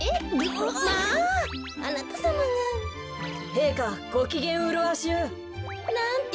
へいかごきげんうるわしゅう。なんて